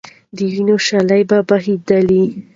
د وینو شېلې به بهېدلې.